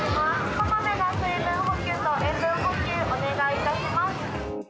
こまめな水分補給と塩分補給、お願いいたします。